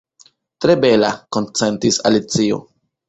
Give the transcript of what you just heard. "Tre bela," konsentis Alicio.